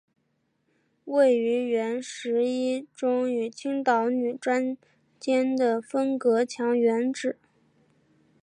位于原十一中与青岛女专间的分隔墙原址。